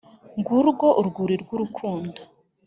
Ngurwo urwuri rwurukund